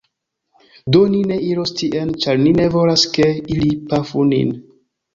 Do ni ne iros tien, ĉar ni ne volas ke ili pafu nin.